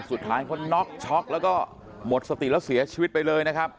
สุดท้ายเขาน็อกช็อกแล้วก็หมดสติแล้วเสียชีวิตไปเลยนะครับ